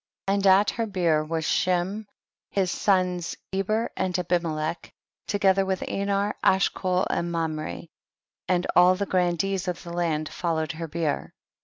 14. And at her bier was Shem, his sons Eber and Abimelech, to gether with Anar, Ashcol and Mamre, and all the grandees of the land fol lowed her bier.